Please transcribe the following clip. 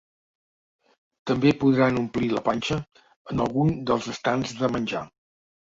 També podran omplir la panxa en algun dels estands de menjar.